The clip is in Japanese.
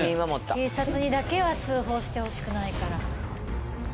警察にだけは通報してほしくないから。